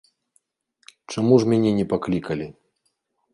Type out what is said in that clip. Чаму ж мяне не паклікалі?